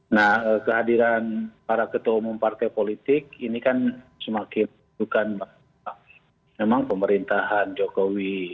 nah kehadiran para ketua umum partai politik ini kan semakin menunjukkan bahwa memang pemerintahan jokowi